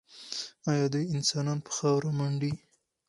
ایا دوی انسانان په خاورو منډي؟